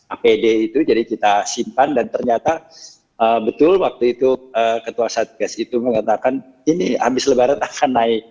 apd itu jadi kita simpan dan ternyata betul waktu itu ketua satgas itu mengatakan ini habis lebaran akan naik